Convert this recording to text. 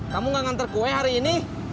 kamu enggak nganter kue hari ini